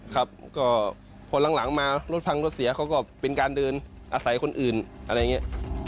ครับก็พอหลังมารถพังรถเสียเขาก็เป็นการเดินอาศัยคนอื่นอะไรอย่างนี้